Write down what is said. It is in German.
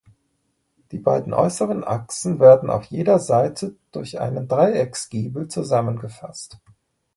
Die beiden äußeren Achsen werden auf jeder Seite durch einen Dreiecksgiebel zusammengefasst.